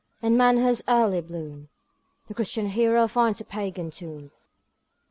In Manhood's early bloom The Christian Hero finds a Pagan tomb.